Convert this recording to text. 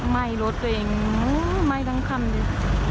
ไหมรถตัวเองมายทั้งคำดู